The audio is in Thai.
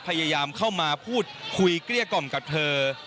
พยายามเข้ามาพูดคุยเกลี้ยกล่อมกับเธอ